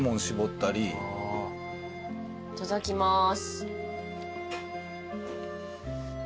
いただきます。